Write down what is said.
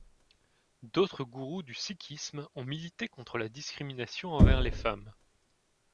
D'autres Gurus du sikhisme ont milité contre la discrimination envers les femmes.